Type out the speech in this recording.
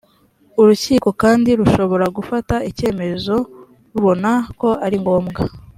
urukiko kandi rushobora gufata icyemezo rubona ko ari ngombwa